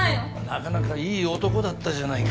なかなかいい男だったじゃないか。